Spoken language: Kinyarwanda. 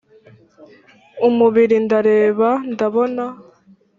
umubiri ndareba ndabona